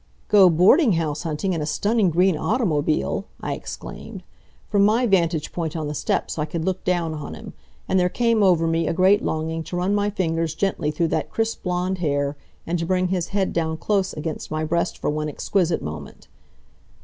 "Go boarding house hunting in a stunning green automobile!" I exclaimed. From my vantage point on the steps I could look down on him, and there came over me a great longing to run my fingers gently through that crisp blond hair, and to bring his head down close against my breast for one exquisite moment.